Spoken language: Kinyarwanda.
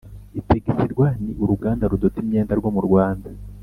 Utexrwa ni uruganda rudoda imyenda rwo mu Rwanda